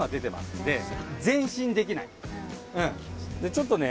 ちょっとね。